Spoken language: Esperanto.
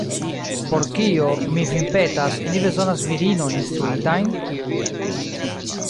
Por kio, mi vin petas, ni bezonas virinojn instruitajn?